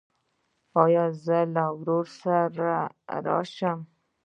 ایا زه له ورور سره راشم؟